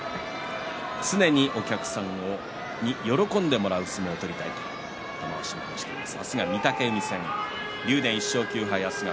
常にお客さんに喜んでもらえる相撲を取りたいと玉鷲は話しています。